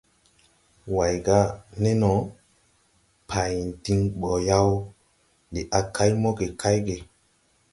Way: « Ne no? Payn diŋ ɓo yaw, ndi a kay moge kay ge. ».